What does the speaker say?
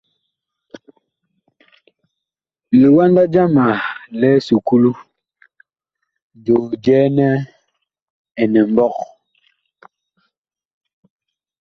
Liwanda jama li esuklu, joo jɛɛ nɛ Inimɓɔg.